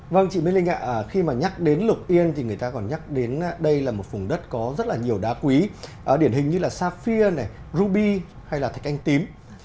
vâng chị minh linh ạ khi mà nhắc đến lục yên thì người ta còn nhắc đến đây là một vùng đất có rất là nhiều đá quý điển hình như là safia ruby hay là thạch anh tím